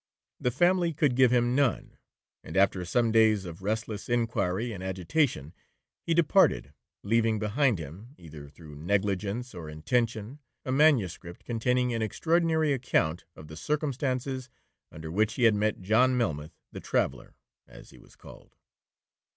The family could give him none, and after some days of restless inquiry and agitation, he departed, leaving behind him, either through negligence or intention, a manuscript, containing an extraordinary account of the circumstances under which he had met John Melmoth the Traveller (as he was called).